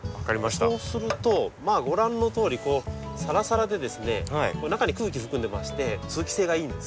そうするとご覧のとおりサラサラで中に空気含んでまして通気性がいいんです。